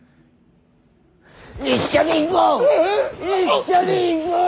一緒に行こう！